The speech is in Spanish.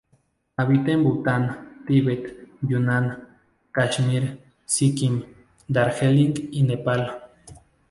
Habita en Bután, Tibet, Yunnan, Kashmir, Sikkim, Darjeeling y Nepal.